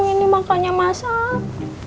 mas al ini makannya mas al